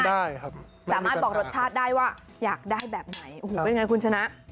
ได้ครับสามารถบอกรสชาติได้ว่าอยากได้แบบไหนโอ้โหเป็นไงคุณชนะ